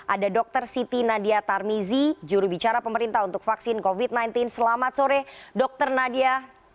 ada dr siti nadia tarmizi jurubicara pemerintah untuk vaksin covid sembilan belas selamat sore dr nadia